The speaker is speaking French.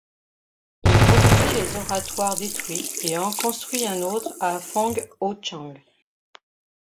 Il rebâtit les oratoires détruits et en construit un autre à Fong-ho-tchang.